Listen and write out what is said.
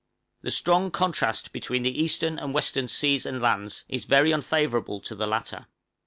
} The strong contrast between the eastern and western seas and lands is very unfavorable to the latter.